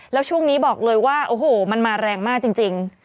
แล้วช่วงนี้บอกเลยว่าโอ้โหมันมาแรงมากจริง